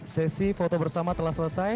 sesi foto bersama telah selesai